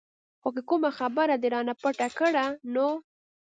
خو که کومه خبره دې رانه پټه کړه نو.